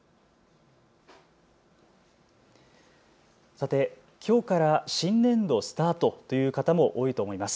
さてきょうから新年度スタートという方も多いと思います。